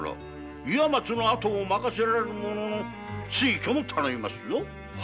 岩松のあとを任せられる者の推挙も頼みますぞ。